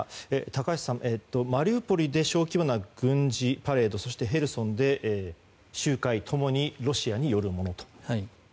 高橋さん、マリウポリで小規模な軍事パレードそして、ヘルソンで集会共にロシアによるものと。